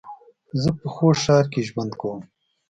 زه په خوست ښار کې ژوند کوم